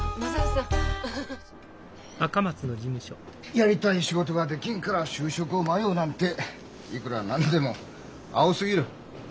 やりたい仕事ができんから就職を迷うなんていくらなんでも青すぎる！